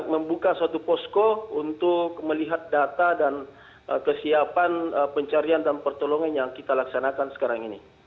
membuka suatu posko untuk melihat data dan kesiapan pencarian dan pertolongan yang kita laksanakan sekarang ini